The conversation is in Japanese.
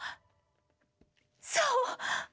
そう！